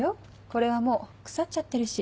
これはもう腐っちゃってるし。